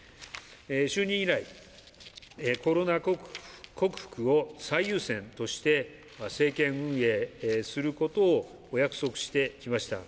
就任以来、コロナ克服を最優先として政権運営することをお約束してきました。